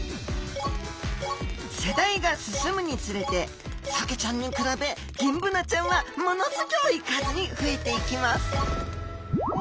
世代が進むにつれてサケちゃんに比べギンブナちゃんはものすギョい数に増えていきます！